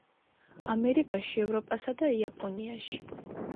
ამერიკაში, ევროპასა და იაპონიაში.